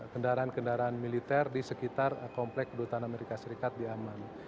kendaraan kendaraan militer di sekitar komplek kedutaan amerika serikat di aman